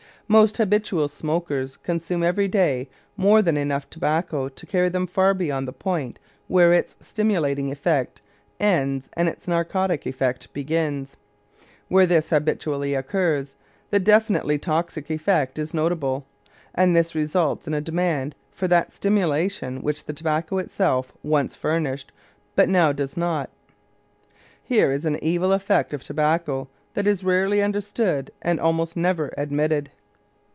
Most habitual smokers consume every day more than enough tobacco to carry them far beyond the point where its stimulating effect ends and its narcotic effect begins. Where this habitually occurs, the definitely toxic effect is notable, and this results in a demand for that stimulation which the tobacco itself once furnished, but now does not. Here is an evil effect of tobacco that is rarely understood and almost never admitted.